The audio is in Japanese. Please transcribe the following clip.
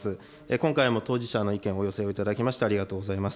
今回も当事者の意見、お寄せをいただきましてありがとうございます。